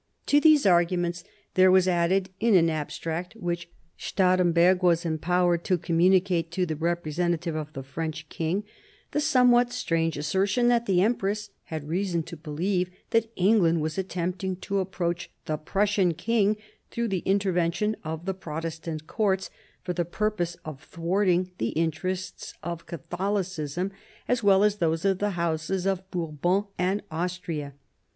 To these arguments there was added, in an abstract which Stahremberg was empowered to communicate to the re presentative of the French king, the somewhat strange assertion that the empress had reason to believe that England was attempting to approach the Prussian king through the intervention of the Protestant courts for the purpose of thwarting the interests of Catholicism, as well as those of the Houses of Bourbon and Austria.